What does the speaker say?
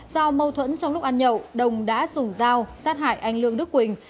do mâu thuẫn trong lúc ăn nhậu đồng đã dùng dao sát hại anh lương đức quỳnh